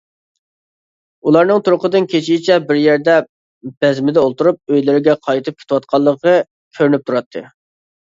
ئۇلارنىڭ تۇرقىدىن كېچىچە بىر يەردە بەزمىدە ئولتۇرۇپ ئۆيلىرىگە قايتىپ كېتىۋاتقانلىقى كۆرۈنۈپ تۇراتتى.